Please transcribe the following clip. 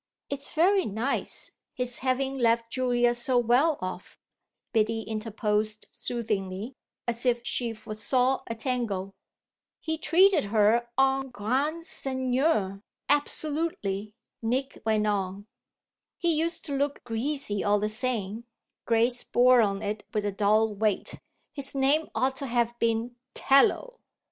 "It's very nice his having left Julia so well off," Biddy interposed soothingly, as if she foresaw a tangle. "He treated her en grand seigneur, absolutely," Nick went on. "He used to look greasy, all the same" Grace bore on it with a dull weight. "His name ought to have been Tallow."